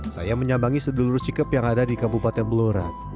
saya menyambangi segelurus sikep yang ada di kebupaten belora